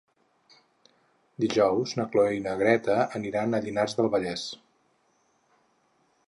Dijous na Cloè i na Greta aniran a Llinars del Vallès.